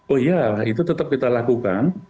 oh iya itu tetap kita lakukan